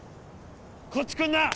こっち来んな！